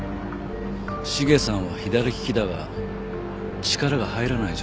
茂さんは左利きだが力が入らない状態だ。